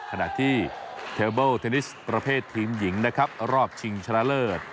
ขณะที่เทลเบิลเทนนิสประเภททีมหญิงนะครับรอบชิงชนะเลิศ